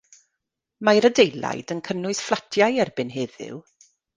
Mae'r adeilad yn cynnwys fflatiau erbyn heddiw.